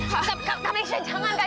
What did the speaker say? kak kak kameisha jangan kak